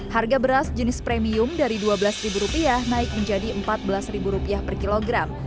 harga beras jenis premium dari rp dua belas naik menjadi rp empat belas per kilogram